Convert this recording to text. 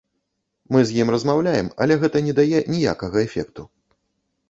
Мы з ім размаўляем, але гэта не дае ніякага эфекту.